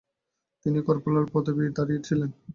তিনি কর্পোরাল পদবীধারী ছিলেন।